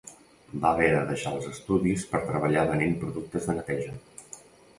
Va haver de deixar els estudis per treballar venent productes de neteja.